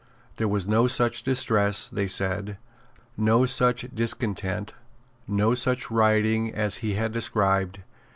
There was no such distress, they said, no such discontent, no such rioting as he had described.